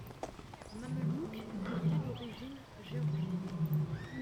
Mamelouk, il est d'origine géorgienne.